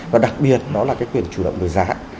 và đặc biệt đó là cái quyền chủ động về giá